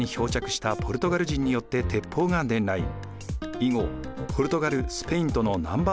以後ポルトガルスペインとの南蛮